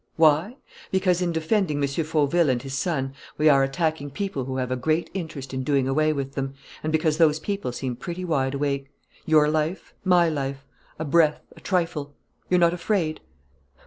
"Why? Because, in defending M. Fauville and his son, we are attacking people who have a great interest in doing away with them and because those people seem pretty wide awake. Your life, my life: a breath, a trifle. You're not afraid?"